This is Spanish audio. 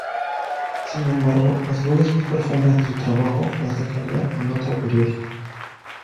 Sin embargo las huellas más profundas de su trabajo las dejaría en otro periódico.